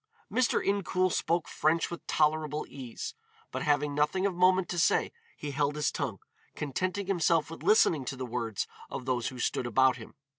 Mr. Incoul spoke French with tolerable ease, but having nothing of moment to say, he held his tongue, contenting himself with listening to the words of those who stood about him.